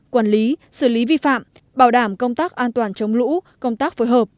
quản lý xử lý vi phạm bảo đảm công tác an toàn chống lũ công tác phối hợp